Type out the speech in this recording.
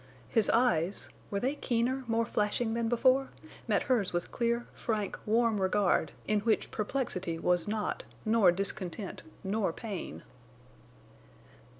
His eyes—were they keener, more flashing than before?—met hers with clear, frank, warm regard, in which perplexity was not, nor discontent, nor pain.